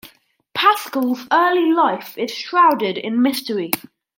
Pascal's early life is shrouded in mystery.